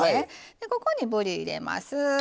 ここにぶり入れます。